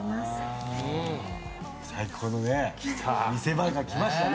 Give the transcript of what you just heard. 最高のね見せ場が来ましたね。